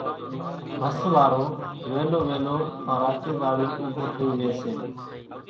ڀس وارو وِيلو وِيلو ڪان راچينز آوينَ اُوڀو ٿئِي ريئيَ سي۔